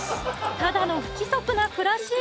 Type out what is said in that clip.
ただの不規則な暮らし